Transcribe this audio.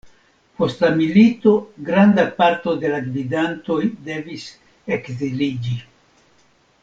Post la milito granda parto de la gvidantoj devis ekziliĝi.